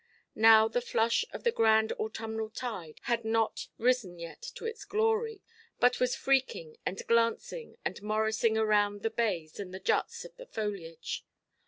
Now the flush of the grand autumnal tide had not risen yet to its glory, but was freaking, and glancing, and morrising round the bays and the juts of the foliage.